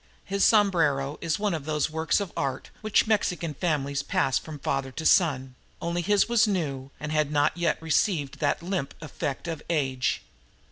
His sombrero is one of those works of art which Mexican families pass from father to son, only his was new and had not yet received that limp effect of age.